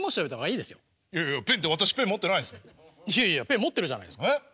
いやいやペン持ってるじゃない。え？